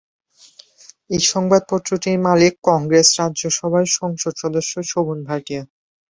এই সংবাদপত্রটির মালিক কংগ্রেস রাজ্য সভার সংসদ সদস্য শোভনা ভার্টিয়া।